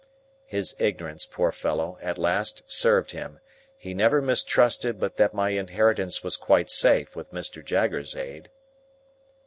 His ignorance, poor fellow, at last served him; he never mistrusted but that my inheritance was quite safe, with Mr. Jaggers's aid.